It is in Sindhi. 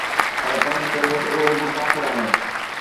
پر فرض ڪريو ته اهي به ڪافر آهن.